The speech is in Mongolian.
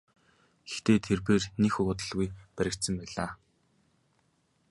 Гэвч тэрбээр нэг их удалгүй баригдсан байлаа.